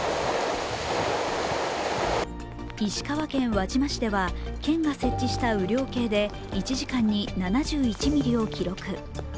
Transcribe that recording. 石川県輪島市では、県が設置した雨量計で１時間に７１ミリを記録。